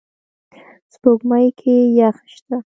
سپوږمۍ کې یخ شته